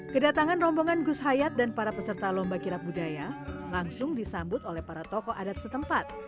kedatangan rombongan gus hayat dan para peserta lomba kirap budaya langsung disambut oleh para tokoh adat setempat